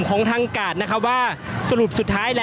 ก็น่าจะมีการเปิดทางให้รถพยาบาลเคลื่อนต่อไปนะครับ